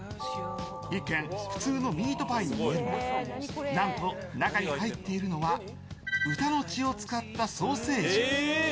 一見普通のミートパイに見えるが何と、中に入っているのは豚の血を使ったソーセージ。